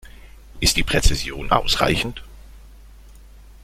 Ist die Präzision ausreichend?